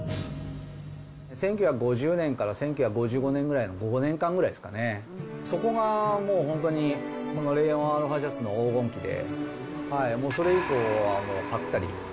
１９５０年から１９５５年ぐらいの５年間ぐらいですかね、そこがもう本当に、このレーヨンアロハシャツの黄金期で、それ以降はもうぱったり。